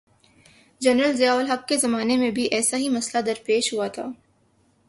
General Zia ul Haq کے زمانے میں بھی ایسا ہی مسئلہ درپیش ہوا تھا۔